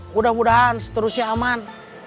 mudah mudahan seterusnya aman